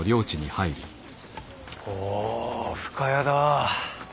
おぉ深谷だ。